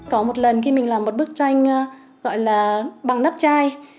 có một lần khi mình làm một bức tranh gọi là bằng nắp chai